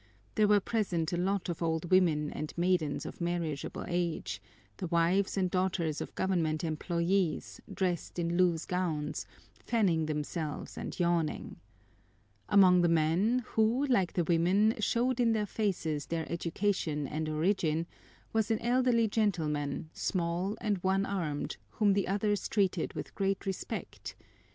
There were present a lot of old women and maidens of marriageable age, the wives and daughters of government employees, dressed in loose gowns, fanning themselves and yawning. Among the men, who, like the women, showed in their faces their education and origin, was an elderly gentleman, small and one armed, whom the others treated with great respect.